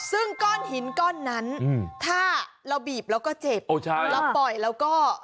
ซึ่งก้อนหินก้อนนั้นถ้าท่านบีบแล้วก็เจ็บแล้วปล่อยแล้วก็